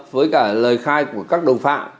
với cả lời khai của các đồng phạm